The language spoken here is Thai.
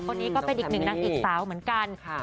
คนนี้ก็เป็นอีกหนึ่งนางเอกสาวเหมือนกัน